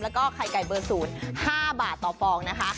แล้วก็ไข่ไก่เบอร์๐๕บาทต่อฟองนะคะ